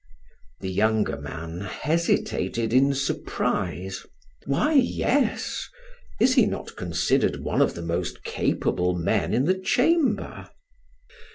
The younger man hesitated in surprise: "Why, yes! Is he not considered one of the most capable men in the Chamber?"